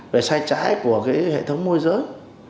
để sai trái của hệ thống môi giới